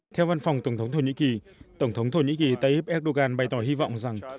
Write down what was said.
theo văn phòng tổng thống thổ nhĩ kỳ tổng thống thổ nhĩ kỳ tayyip erdogan bày tỏ hy vọng rằng